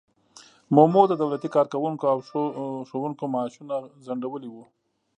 مومو د دولتي کارکوونکو او ښوونکو معاشونه ځنډولي وو.